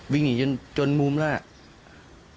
วิ่งหนีจนมุมแล้ว